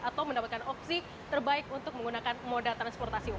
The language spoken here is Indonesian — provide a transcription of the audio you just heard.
atau mendapatkan opsi terbaik untuk menggunakan moda transportasi umum